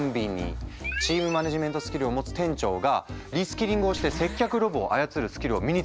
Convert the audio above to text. チームマネジメントスキルを持つ店長がリスキリングをして接客ロボを操るスキルを身につける。